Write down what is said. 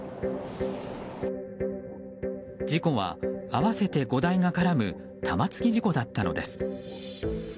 事故は合わせて５台が絡む玉突き事故だったのです。